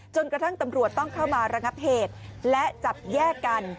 จนกระทั่งตำรวจต้องเข้ามาระงับเหตุและจับแยกกัน